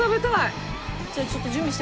じゃあちょっと準備してこようかな。